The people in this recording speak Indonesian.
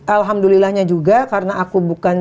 alhamdulillahnya juga karena aku bukan